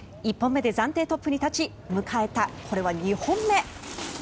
１本目で暫定トップに立ち迎えた、これは２本目。